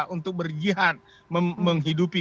untuk berjihan menghidupi